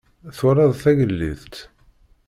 Twalaḍ tagellidt?